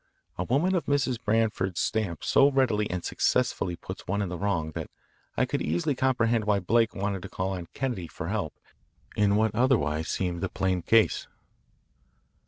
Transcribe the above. A woman of Mrs. Branford's stamp so readily and successfully puts one in the wrong that I could easily comprehend why Blake wanted to call on Kennedy for help in what otherwise seemed a plain case.